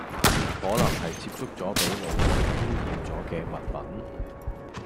可能係接觸左俾老鼠污染左既物品